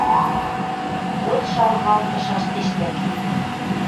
Вот шалгалтышаш тиштӓк.